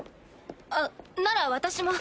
あっなら私も。